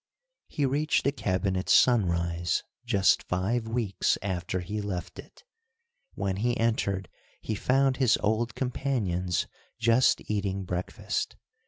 He reached the cabin at sunrise, just five weeks after he left it. When he entered he found his old companions just eating breakfast.